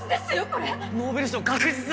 これノーベル賞確実だ！